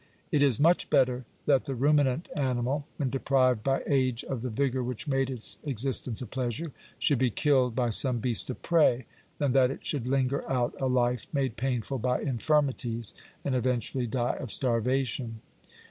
It is much better that the ruminant animal, when deprived by age of the vigour which made its existence a pleasure, should be killed by some beast of prey, than that it should linger out a life made painful by infirmities, and eventually die of starvation.